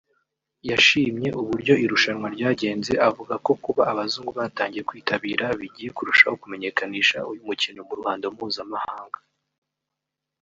yashimye uburyo irushanwa ryagenze avuga ko kuba abazungu batangiye kwitabira bigiye kurushaho kumenyekanisha uyu mukino mu ruhando mpuzamahanga